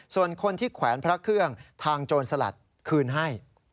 ส่วนคนที่แขวนพระเครื่องทางโจรสลัดคืนให้